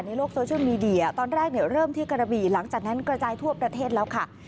ในโลกโซเชียลมีเดียตอนแรกเริ่มที่กระบี่หลังจากนั้นกระจายทั่วประเทศแล้วค่ะ